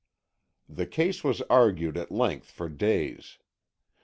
The case was argued at length for days.